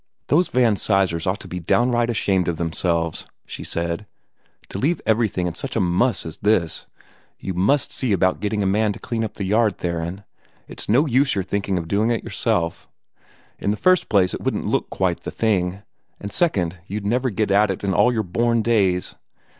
"Those Van Sizers ought to be downright ashamed of themselves," she said, "to leave everything in such a muss as this. You MUST see about getting a man to clean up the yard, Theron. It's no use your thinking of doing it yourself. In the first place, it wouldn't look quite the thing, and, second, you'd never get at it in all your born days.